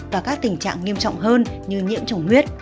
và các tình trạng nghiêm trọng hơn như nhiễm trùng huyết